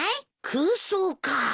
空想か。